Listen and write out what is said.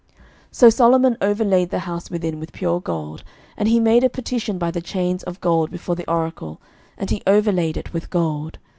11:006:021 So Solomon overlaid the house within with pure gold: and he made a partition by the chains of gold before the oracle; and he overlaid it with gold.